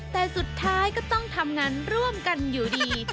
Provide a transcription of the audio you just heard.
แต่สุดท้ายก็ต้องทำงานร่วมกันอยู่ดี